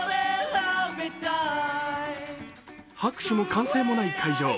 拍手も歓声もない会場。